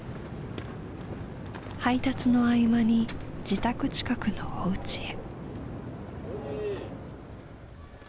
配達の合間に自宅近くのおうちへ。